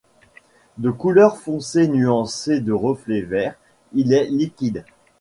De couleur foncée nuancée de reflets verts, il est liquide.